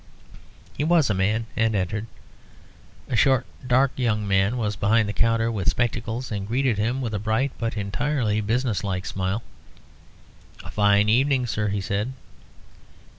He was a man, and entered. A short, dark young man was behind the counter with spectacles, and greeted him with a bright but entirely business like smile. "A fine evening, sir," he said.